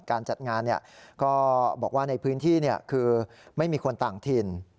การจัดงานก็บอกว่าในพื้นที่คือไม่มีคนต่างถิ่น